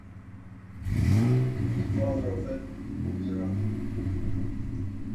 He was the father of Edmund O'Meara.